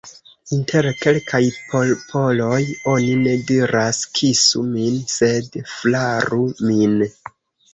Inter kelkaj popoloj oni ne diras: « kisu min », sed « flaru min ».